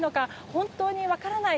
本当に分からない